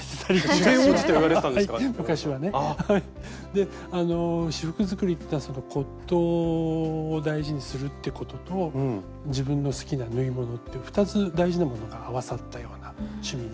であの仕覆作りっていうのは骨とうを大事にするってことと自分の好きな縫い物っていう２つ大事なものが合わさったような趣味で。